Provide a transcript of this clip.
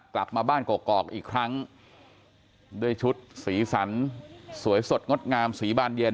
กลับมาบ้านกอกอีกครั้งด้วยชุดสีสันสวยสดงดงามสีบานเย็น